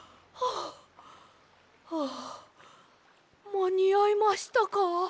まにあいましたか？